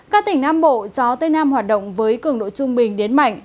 các tỉnh nam bộ gió tây nam hoạt động với cường độ trung bình đến mạnh